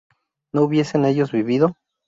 ¿no hubiesen ellos vivido?